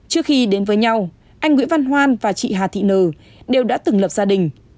trước khi đến với nhau anh nguyễn văn hoan và chị hà thị nừ đều đã từng lập gia đình